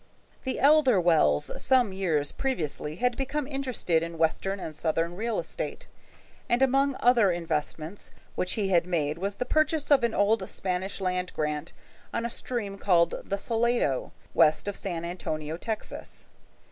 The elder Wells some years previously had become interested in western and southern real estate, and among other investments which he had made was the purchase of an old Spanish land grant on a stream called the Salado, west of San Antonio, Texas.